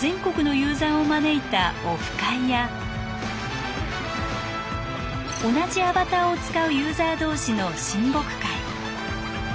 全国のユーザーを招いたオフ会や同じアバターを使うユーザー同士の親睦会。